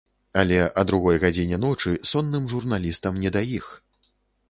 Але а другой гадзіне ночы сонным журналістам не да іх.